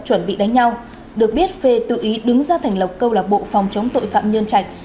chuẩn bị đánh nhau được biết phê tự ý đứng ra thành lộc câu lạc bộ phòng chống tội phạm nhân trạch